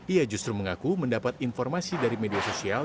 ia justru mengaku mendapat informasi dari media sosial